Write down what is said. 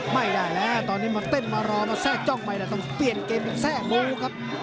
ไม่ได้แล้วตอนนี้มาเต้นมารอมาแทรกจ้องไปแต่ต้องเปลี่ยนเกมแทรกมูครับ